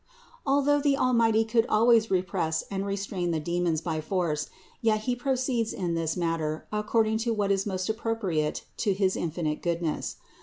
Although the Almighty could always repress and restrain the devils by force, yet He proceeds in this 262 CITY OF GOD matter according to what is most appropriate to his infi nite goodness.